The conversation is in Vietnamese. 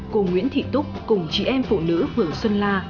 cô nguyễn thị túc cùng chị em phụ nữ phường xuân la